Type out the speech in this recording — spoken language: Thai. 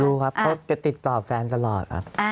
รู้ครับเขาจะติดต่อแฟนตลอดครับ